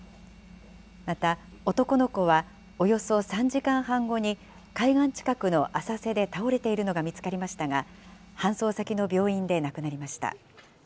また、男の子はおよそ３時間半後に、海岸近くの浅瀬で倒れているのが見つかりましたが、搬送先の病院で亡くなりました。